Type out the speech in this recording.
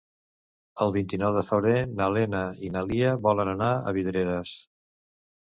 El vint-i-nou de febrer na Lena i na Lia volen anar a Vidreres.